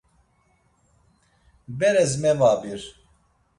Beres mevabir.